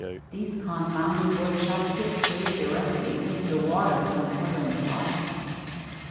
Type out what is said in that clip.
These confounded workshops get chilly directly, with the water from the covering cloths.